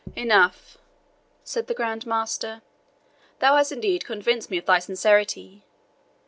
"Enough," said the Grand Master; "thou hast indeed convinced me of thy sincerity.